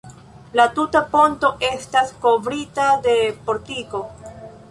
La tuta ponto estas kovrita de portiko.